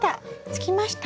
つきました。